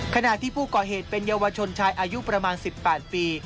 ขณะที่ผู้ก่อเหตุเป็นเยาวชนชายอายุประมาณ๑๘ปี